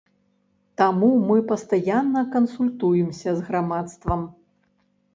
Таму мы пастаянна кансультуемся з грамадствам.